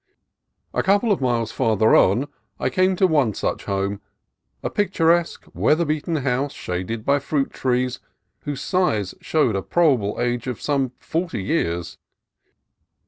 A couple of miles farther on I came on one such home, — a picturesque, weather beaten house shaded by fruit trees whose size showed a probable age of some forty years.